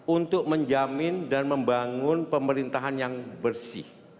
untuk menjamin dan membangun pemerintahan yang bersih